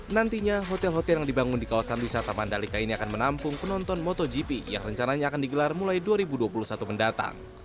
nantinya hotel hotel yang dibangun di kawasan wisata mandalika ini akan menampung penonton motogp yang rencananya akan digelar mulai dua ribu dua puluh satu mendatang